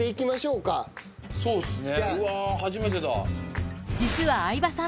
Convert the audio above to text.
そうっすね。